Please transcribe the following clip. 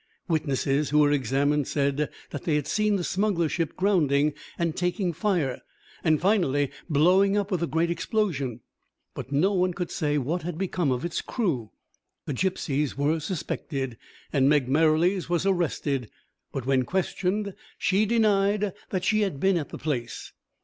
Witnesses who were examined said that they had seen the smuggler's ship grounding, and taking fire, and finally blowing up with a great explosion; but no one could say what had become of its crew. The gipsies were suspected, and Meg Merrilies was arrested; but when questioned she denied that she had been at the place.